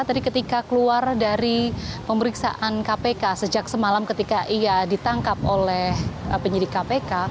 tadi ketika keluar dari pemeriksaan kpk sejak semalam ketika ia ditangkap oleh penyidik kpk